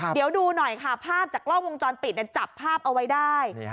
เดี๋ยวดูหน่อยค่ะภาพจากกล้องวงจรปิดจับภาพเอาไว้ได้